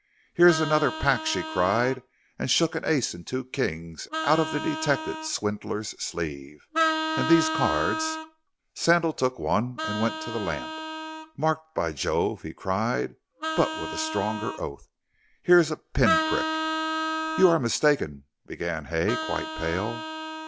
"Here's another pack," she cried, and shook an ace and two kings out of the detected swindler's sleeve, "and these cards " Sandal took one and went to the lamp. "Marked, by Jove!" he cried, but with a stronger oath; "here's a pin prick." "You are mistaken," began Hay, quite pale.